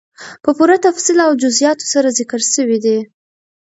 په پوره تفصيل او جزئياتو سره ذکر سوي دي،